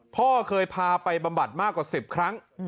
พ่อเคยพาไปบำบัดมากกว่า๑๐ครั้ง